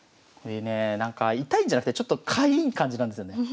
これね痛いんじゃなくてちょっとかゆい感じなんですよね。